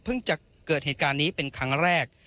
จะเกิดเหตุการณ์นี้เป็นครั้งแรก